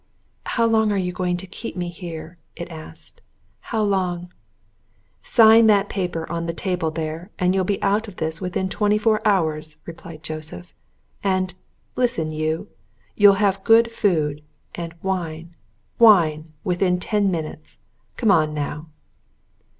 "How long are you going to keep me here?" it asked. "How long " "Sign that paper on the table there, and you'll be out of this within twenty four hours," replied Joseph. "And listen, you! you'll have good food and wine wine! within ten minutes. Come on, now!"